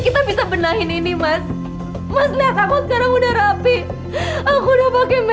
tidak ada apa apa lagi